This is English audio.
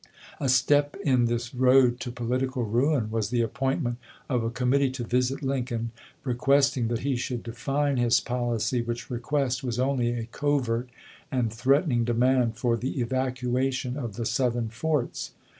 A step in this road to political ruin was the appointment of a committee to visit Lincoln, requesting that he should define his policy, which request was only a covert and threatening demand for the evacuation of the Southern forts.